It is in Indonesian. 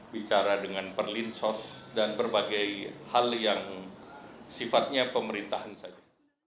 bicara dengan perlinsos dan berbagai hal yang sifatnya pemerintahan saja